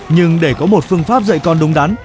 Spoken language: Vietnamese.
nhưng để có một phương pháp dạy con đúng đắn